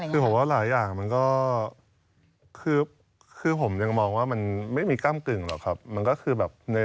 คือผมว่าหลายอย่างมันก็คือผมยังมองว่ามันไม่มีกล้ามกึ่งหรอกครับมันก็คือแบบ